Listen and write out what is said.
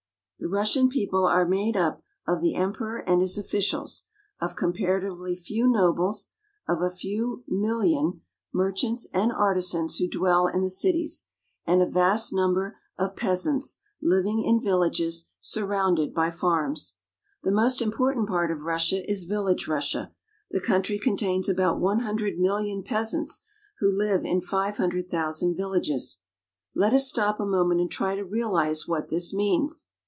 The Russian people are made up of the emperor and his officials, of comparatively few nobles, of a few million THE RUSSIAN PEASANTS. 32 1 merchants and artisans who dwell in the cities, and a vast number of peasants, living in villages surrounded by farms. The most important part of Russia is village Russia. The country contains about one hundred mil lion peasants, who live in five hundred thousand vil A Peasant Family. lages. Let us stop a moment and try to realize what this means.